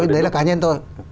đấy là cá nhân tôi